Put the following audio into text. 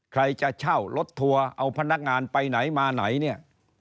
ใครจะเช่ารถทัวร์เอาพนักงานไปไหนมาไหนเนี่ย